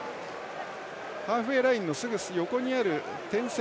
ハーフウェーラインのすぐ横にある点線